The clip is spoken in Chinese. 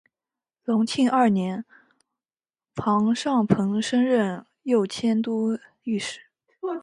隆庆二年庞尚鹏升任右佥都御史。